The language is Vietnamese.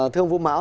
thưa ông vũ mão